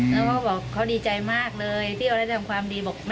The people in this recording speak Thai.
แล้วเขาบอกเขาดีใจมากเลยที่เขาได้ทำความดีบอก